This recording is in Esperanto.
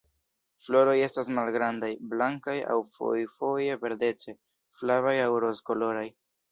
Floroj estas malgrandaj, blankaj aŭ fojfoje verdece-flavaj aŭ rozkoloraj.